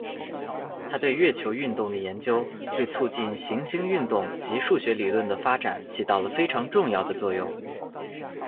他对月球运动的研究对促进行星运动及数学理论的发展起到了非常重要的作用。